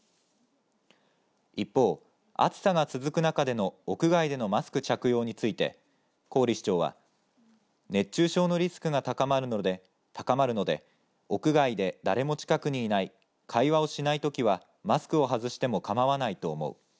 一方、暑さが続く中での屋外でのマスク着用について郡市長は熱中症のリスクが高まるので屋外で誰も近くにいない会話をしないときはマスクを外しても構わないと思う。